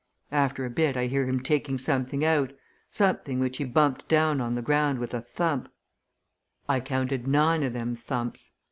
After a bit, I hear him taking something out, something which he bumped down on the ground with a thump I counted nine o' them thumps.